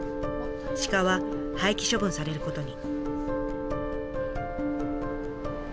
鹿は廃棄処分されることに。